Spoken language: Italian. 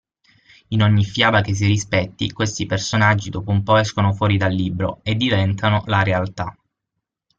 In ogni fiaba che si rispetti questi personaggi dopo un po' escono fuori dal libro e diventano la realtà.